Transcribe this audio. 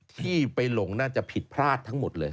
ที่ไปหลงน่าจะผิดพลาดทั้งหมดเลย